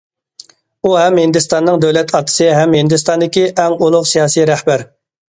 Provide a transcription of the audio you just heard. ئۇ ھەم ھىندىستاننىڭ دۆلەت ئاتىسى ھەم ھىندىستاندىكى ئەڭ ئۇلۇغ سىياسىي رەھبەر.